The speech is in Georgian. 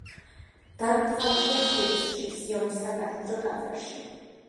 დაკრძალულია თბილისში, სიონის საკათედრო ტაძარში.